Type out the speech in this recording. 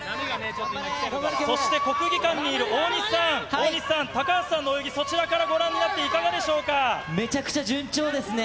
そして、国技館にいる大西さん、大西さん、高橋さんの泳ぎ、そちらからご覧になって、いかがめちゃくちゃ順調ですね。